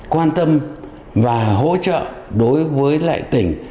quan tâm và hỗ trợ đối với lại tỉnh